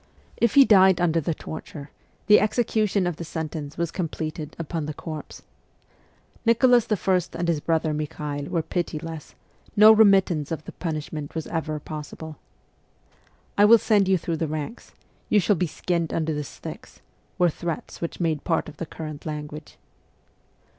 If he died under the torture, the execu tion of the sentence was completed upon the corpse. Nicholas I. and his brother Mikhael were pitiless ; no remittance of the punishment was ever possible. 'I will send you through the ranks ; you shall be skinned under the sticks,' were threats which made part of the current language.